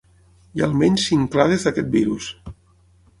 Hi ha almenys cinc clades d'aquest virus.